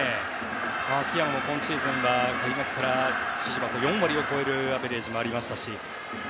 秋山も今シーズンは開幕から一時は４割を超えるアベレージもありましたし。